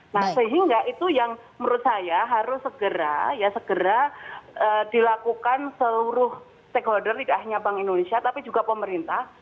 nah sehingga itu yang menurut saya harus segera ya segera dilakukan seluruh stakeholder tidak hanya bank indonesia tapi juga pemerintah